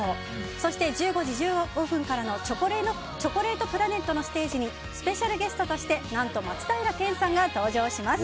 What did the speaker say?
そして１５時１５分からのチョコレートプラネットのステージにスペシャルゲストとして何と松平健さんが登場します。